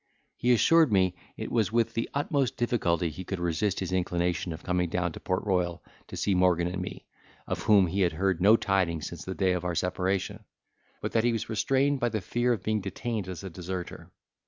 He assured me, it was with the utmost difficulty he could resist his inclination of coming down to Port Royal, to see Morgan and me, of whom he had heard no tidings since the day of our separation: but that he was restrained by the fear of being detained as a deserter.